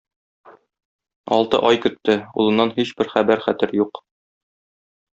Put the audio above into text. Алты ай көтте - улыннан һичбер хәбәр-хәтер юк.